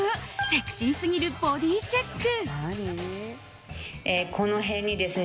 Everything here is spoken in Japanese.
セクシーすぎるボディーチェック。